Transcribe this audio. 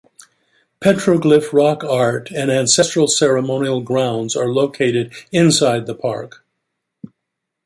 Petroglyph rock art and ancestral ceremonial grounds are located inside the park.